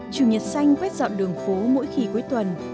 chủ nhật xanh quét dọn đường phố mỗi khi cuối tuần